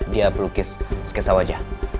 dia pelukis skesa wajah